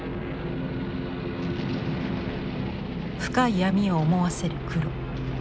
深い闇を思わせる黒。